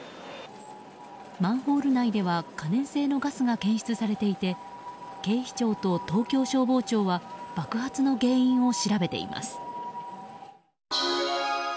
マンホール内では可燃性のガスが検出されていて警視庁と東京消防庁は爆発の原因を調べています。